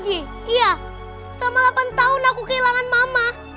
iya selama delapan tahun aku kehilangan mama